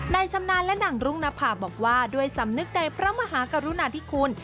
ชำนาญและหนังรุ่งนภาบอกว่าด้วยสำนึกในพระมหากรุณาธิคุณ